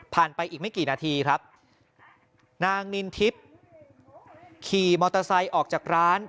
ไปอีกไม่กี่นาทีครับนางนินทิพย์ขี่มอเตอร์ไซค์ออกจากร้าน